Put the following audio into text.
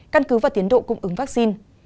căn cứ và tiến độ cung ứng vaccine